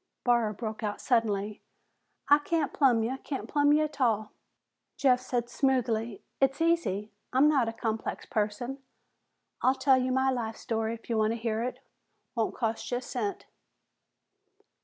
Barr broke out suddenly, "I can't plumb ya. Can't plumb ya a'tall!" Jeff said smoothly, "It's easy. I'm not a complex person. I'll tell you my life story if you want to hear it. Won't cost you a cent."